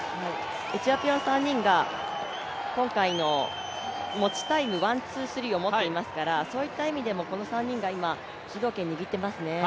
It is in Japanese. エチオピア３人が今回の持ちタイム、ワン・ツー・スリーを持ってますからそういった意味でもこの３人が主導権を握ってますね。